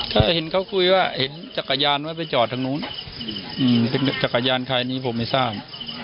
ถ้าเห็นเขาคุยว่าจักรยานไว้ไปจอดทางนู้นจักรยานใครผมไม่ทราบ